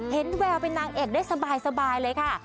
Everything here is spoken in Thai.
แววเป็นนางเอกได้สบายเลยค่ะ